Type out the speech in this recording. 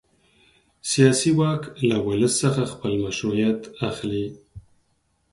سیاسي واک له ولس څخه خپل مشروعیت اخلي.